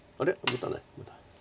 打たない。